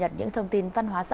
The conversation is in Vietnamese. trong thời gian việt nam